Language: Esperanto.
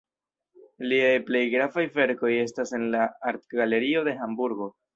Liaj plej gravaj verkoj estas en la Artgalerio de Hamburgo.